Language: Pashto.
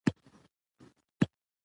په افغانستان کې د سنگ مرمر منابع شته.